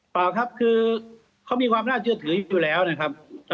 เปล่าครับคือเขามีความน่าเชื่อถืออยู่แล้วนะครับ